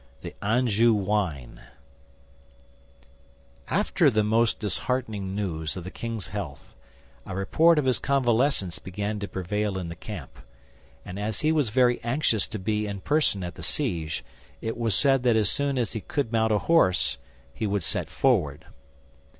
THE ANJOU WINE After the most disheartening news of the king's health, a report of his convalescence began to prevail in the camp; and as he was very anxious to be in person at the siege, it was said that as soon as he could mount a horse he would set forward.